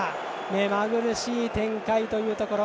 めまぐるしい展開というところ。